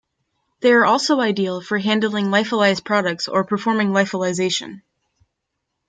They are also ideal for handling lyophilized products or performing lyophilization.